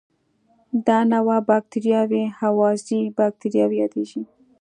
دا نوعه بکټریاوې هوازی باکتریاوې یادیږي.